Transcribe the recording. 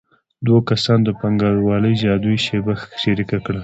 دوه کسانو د پانګوالۍ جادويي شیبه شریکه کړه